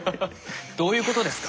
どういうことですか？